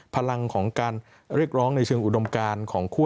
พลังของการเรียกร้องในเชิงอุดมการของคั่ว